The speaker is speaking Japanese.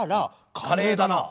カレーだな。